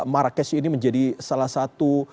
marrakesh ini menjadi salah satu